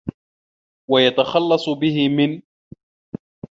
وَيَتَخَلَّصُ بِهِ مِنْ